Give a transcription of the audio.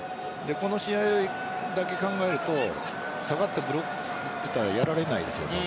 この試合だけ考えると下がってブロックを作っていたらやられないですよ。